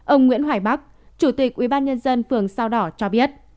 ông nguyễn hoài bắc chủ tịch ubnd phường sao đỏ cho biết